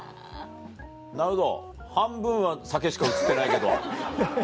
なるほど半分は酒しか写ってないけど。